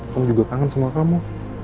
kamu juga kangen sama kamu